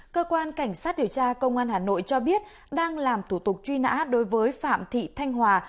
cơ quan cảnh sát điều tra công an hà nội cho biết đang làm thủ tục truy nã đối với phạm thị thanh hòa